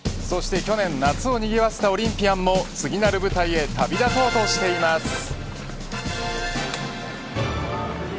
そして去年夏をにぎわせたオリンピアンも次なる舞台へ旅立とうとしています。